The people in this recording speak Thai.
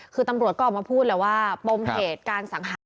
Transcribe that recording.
คือตำรวจก็ออกมาพูดแล้วว่าปมเหตุการสังหาร